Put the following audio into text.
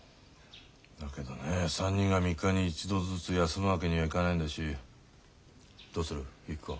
だけどね３人が３日に一度ずつ休むわけにはいかないんだしどうするゆき子。